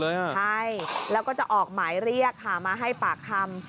ใช่แล้วก็จะออกหมายเรียกค่ะมาให้ปากคำ